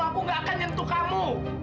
aku gak akan nyentuh kamu